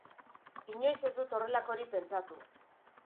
Inoiz ez dut horrelakorik pentsatu.